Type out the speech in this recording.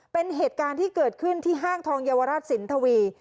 เป็นเหตุการณ์ที่เกิดขึ้นที่ห้างทองเยาวราชสินทวี